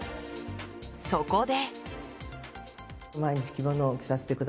そこで。